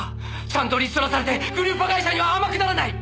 ちゃんとリストラされてグループ会社には天下らない！